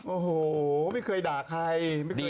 โอ้โหไม่เคยด่าใคร